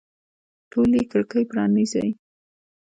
ټولي کړکۍ پرانیزئ